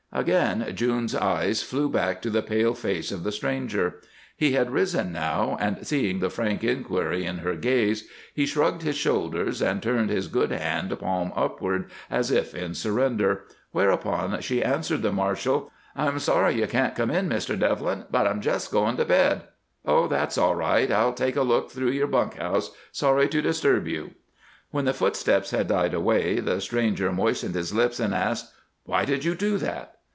Again June's eyes flew back to the pale face of the stranger. He had risen now and, seeing the frank inquiry in her gaze, he shrugged his shoulders and turned his good hand palm upward as if in surrender, whereupon she answered the marshal: "I'm sorry you can't come in, Mr. Devlin; but I'm just going to bed." "Oh, that's all right. I'll take a look through your bunk house. Sorry to disturb you." When the footsteps had died away the stranger moistened his lips and asked, "Why did you do that?"